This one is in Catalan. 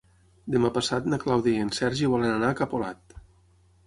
Demà passat na Clàudia i en Sergi volen anar a Capolat.